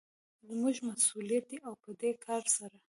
زموږ مسوليت دى او په دې کار سره